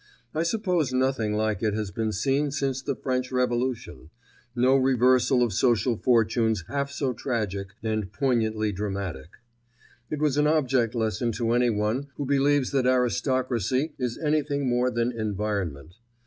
I suppose nothing like it has been seen since the French Revolution—no reversal of social fortunes half so tragic and poignantly dramatic. It was an object lesson to anyone who believes that aristocracy is anything more than environment.